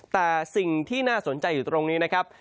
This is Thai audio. แต่สิ่งที่น่าสนใจอยู่ตรงนี้นะครับ